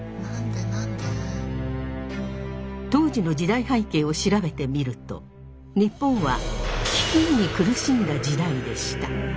当時の時代背景を調べてみると日本は飢饉に苦しんだ時代でした。